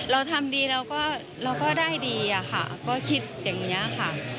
เราทำดีเราก็ได้ดีอะค่ะก็คิดอย่างนี้ค่ะ